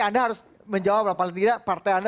anda harus menjawab paling tidak partai anda